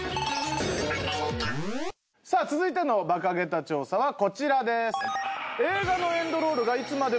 さあ続いてのバカ桁調査はこちらです。